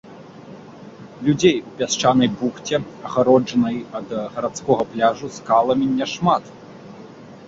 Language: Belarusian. Людзей у пясчанай бухце, адгароджанай ад гарадскога пляжу скаламі, няшмат.